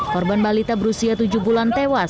korban balita berusia tujuh bulan tewas